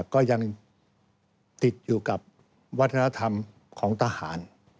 ก็ยังติดอยู่กับวัฒนธรรมของทหาร